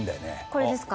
これですか？